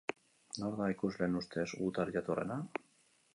Nor da, ikusleen ustez, gutar jatorrena?